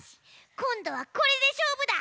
こんどはこれでしょうぶだ！